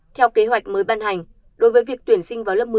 theo kế hoạch mới ban hành đối với việc tuyển sinh vào lớp một mươi